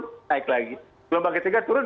naik lagi gelombang ketiga turun